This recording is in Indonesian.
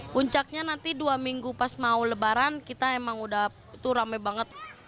puncaknya nanti dua minggu pas mau lebaran kita emang udah tuh rame banget